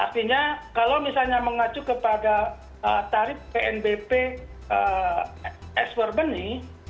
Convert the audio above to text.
artinya kalau misalnya mengacu kepada tarif pnbp ekspor benih